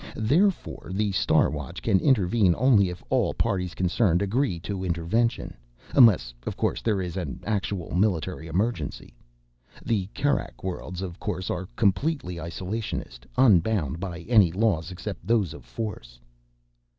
Therefore the Star Watch can intervene only if all parties concerned agree to intervention. Unless, of course, there is an actual military emergency. The Kerak Worlds, of course, are completely isolationist—unbound by any laws except those of force."